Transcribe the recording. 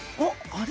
あれ？